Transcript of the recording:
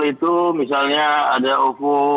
digital itu misalnya ada ovo